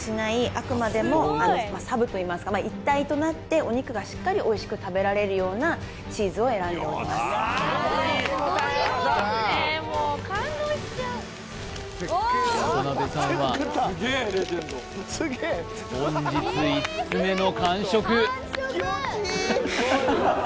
あくまでもサブといいますか一体となってお肉がしっかりおいしく食べられるようなチーズを選んでおります渡邉さんは本日５つ目の完食